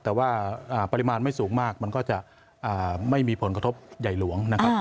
แต่ว่าปริมาณไม่สูงมากมันก็จะไม่มีผลกระทบใหญ่หลวงนะครับ